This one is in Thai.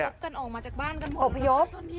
อบพยพ